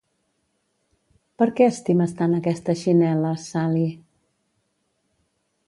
—Per què estimes tant aquestes xinel·les, Sally?